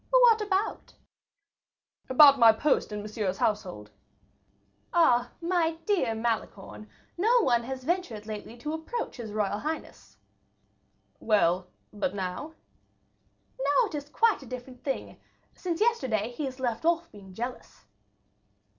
"What about?" "About my post in Monsieur's household." "Ah, my dear Malicorne, no one has ventured lately to approach his royal highness." "Well, but now?" "Now it is quite a different thing; since yesterday he has left off being jealous."